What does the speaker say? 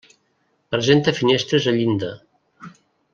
Presenta finestres a llinda.